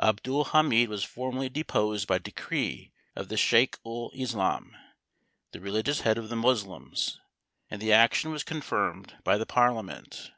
Abdul Hamid was formally deposed by decree of the Sheik ul Islam, the religious head of the Moslems, and the action was confirmed by the Parliament.